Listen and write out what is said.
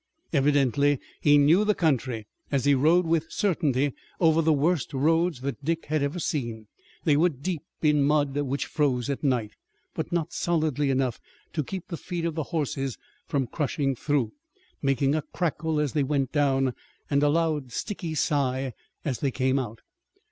Evidently he knew the country, as he rode with certainty over the worst roads that Dick had ever seen. They were deep in mud which froze at night, but not solidly enough to keep the feet of the horses from crushing through, making a crackle as they went down and a loud, sticky sigh as they came out.